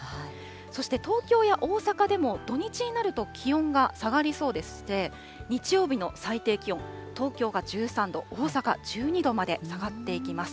そして東京や大阪でも土日になると気温が下がりそうでして、日曜日の最低気温、東京が１３度、大阪１２度まで下がっていきます。